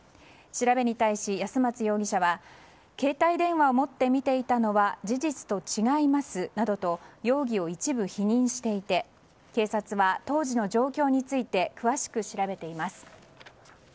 調べに対し、安松容疑者は携帯電話を持って見ていたのは事実と違いますなどと容疑を一部否認していて警察は当時の状況について詳しく調べています。